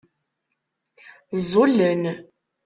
Ẓẓullen.